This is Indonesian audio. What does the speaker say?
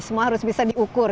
semua harus bisa diukur